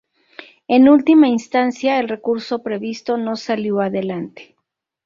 En última instancia, el recurso previsto no salió adelante.